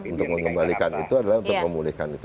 untuk mengembalikan itu adalah untuk memulihkan itu